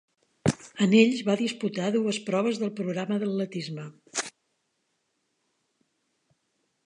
En ells va disputar dues proves del programa d'atletisme.